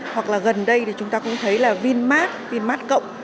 hoặc là gần đây thì chúng ta cũng thấy là vinmart vinmart cộng